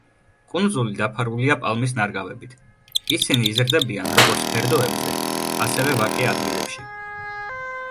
კუნძული დაფარულია პალმის ნარგავებით, ისინი იზრდებიან, როგორც ფერდოებზე, ასევე ვაკე ადგილებში.